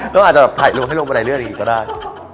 น้องอาจจะแบบถ่ายลงให้ลงบรรยายเลือดอย่างนี้ก็ได้